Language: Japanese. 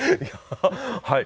はい。